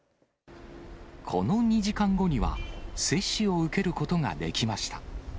この２時間後には、接種を受けることができました。